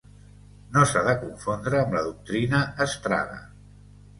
No s'ha de confondre amb la doctrina Estrada.